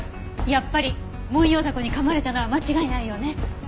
やっぱりモンヨウダコに噛まれたのは間違いないようね。